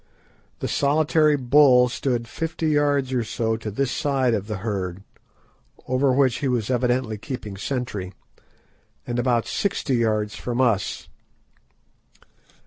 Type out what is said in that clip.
The solitary bull stood fifty yards or so to this side of the herd, over which he was evidently keeping sentry, and about sixty yards from us.